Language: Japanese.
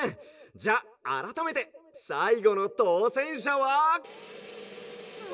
じゃああらためてさいごのとうせんしゃは」。